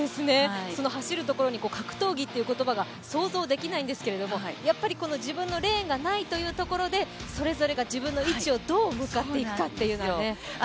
走るところに格闘技という言葉が想像できないんですけどやっぱり自分のレーンがないというところで、それぞれが自分の位置をどう向かっていくかというのが。